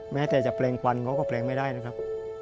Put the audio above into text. แม้แต่จะแปลงควันเขาก็แปลงไม่ได้นะครับ